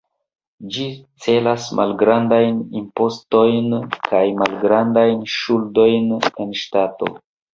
Ĝi celas malgrandajn impostojn kaj malgrandajn ŝuldojn en ŝtato.